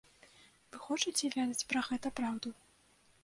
Вы хочаце ведаць пра гэта праўду?